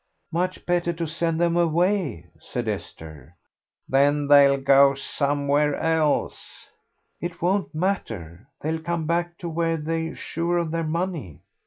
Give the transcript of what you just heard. "Much better send them away," said Esther. "Then they'll go somewhere else." "It won't matter; they'll come back to where they're sure of their money."